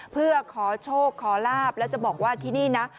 เพื่อขอโชคขอลาบแล้วจะบอกว่าที่นี่นะ